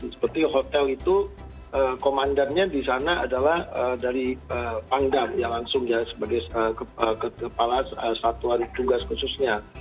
seperti hotel itu komandannya di sana adalah dari pangdam ya langsung ya sebagai kepala satuan tugas khususnya